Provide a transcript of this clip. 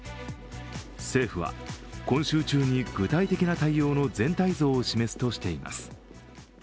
政府は今週中に具体的な対応の全体像を示すとしています。